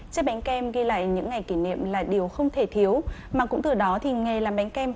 chiếc bánh kem ghi lại những ngày kỷ niệm là điều không thể thiếu mà cũng từ đó thì nghề làm bánh kem